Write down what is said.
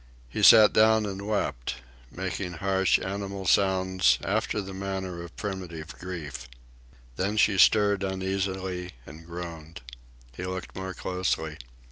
He sat down and wept, making harsh animal noises after the manner of primitive grief. Then she stirred uneasily, and groaned. He looked more closely.